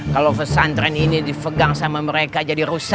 kalau pesantren ini dipegang sama mereka jadi rusak